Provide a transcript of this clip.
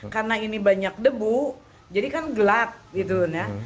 karena ini banyak debu jadi kan gelap gitu ya